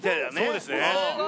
そうですね